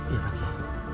iya pak yai